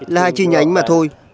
là hai chi nhánh mà thôi